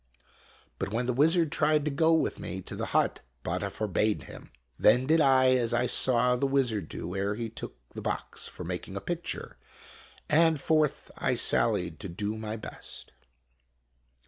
But when the wizard tried to go with me to the hut, Batta forbade him. Then did I as I saw the wizard do ere he took the box for making a picture, and forth I sallied to do my best.